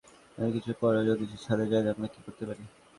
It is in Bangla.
এত কিছুর পরেও যদি সে ছাদে যায়, আমরা কি করতে পারি?